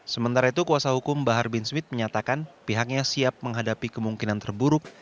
sementara itu kuasa hukum bahar bin smith menyatakan pihaknya siap menghadapi kemungkinan terburuk